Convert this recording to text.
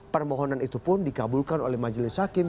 permohonan itu pun dikabulkan oleh majelis hakim